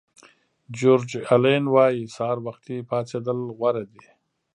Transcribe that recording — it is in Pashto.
جیورج الین وایي سهار وختي پاڅېدل غوره دي.